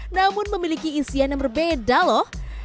namun memiliki isian yang berbeda loh